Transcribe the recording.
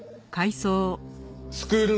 スクール